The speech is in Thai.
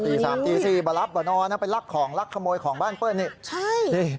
ตีสามตีสี่บ่รับบ่นอนแล้วไปรักของรักขโมยของบ้านเปิ้ลเนี้ย